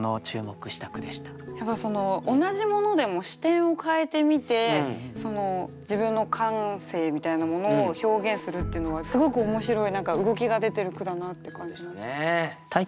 やっぱりその同じものでも視点を変えてみて自分の感性みたいなものを表現するっていうのはすごく面白い何か動きが出てる句だなって感じしますね。